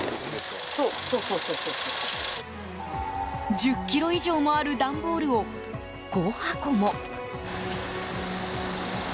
１０ｋｇ以上もある段ボールを５箱も。